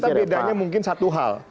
kita bedanya mungkin satu hal